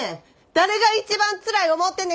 誰が一番つらい思うてんねん！